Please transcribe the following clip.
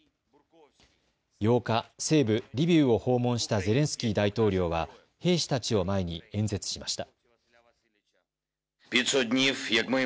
８日、西部リビウを訪問したゼレンスキー大統領は兵士たちを前に演説しました。